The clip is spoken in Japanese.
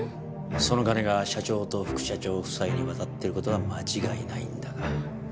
その金が社長と副社長夫妻に渡ってる事は間違いないんだが。